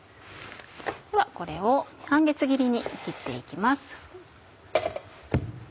ではこれを半月切りに切って行きます。